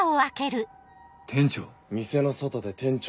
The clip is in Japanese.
店長。